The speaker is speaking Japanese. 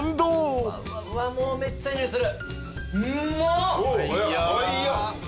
もうめっちゃいい匂いする。